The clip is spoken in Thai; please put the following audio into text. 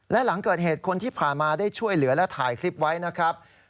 และหลังเกิดเหตุคนที่ผ่านมาได้ช่วยเหลือและถ่ายคลิปไว้นะครับ